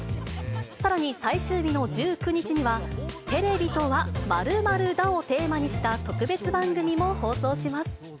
さらに最終日の１９日には、テレビとは、○○だをテーマにした特別番組も放送します。